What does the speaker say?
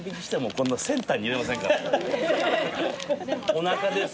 おなかです